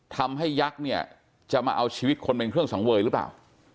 ยักษ์เนี่ยจะมาเอาชีวิตคนเป็นเครื่องสังเวยหรือเปล่า